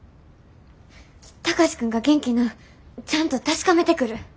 貴司君が元気なんちゃんと確かめてくる。